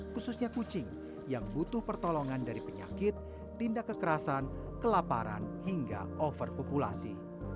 khususnya kucing yang butuh pertolongan dari penyakit tindak kekerasan kelaparan hingga overpopulasi